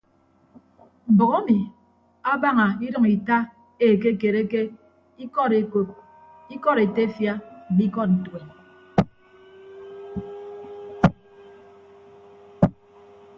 Mbʌk emi abaña idʌñ ita ekekereke ikọd ekop ikọd etefia mme ikọd ntuen.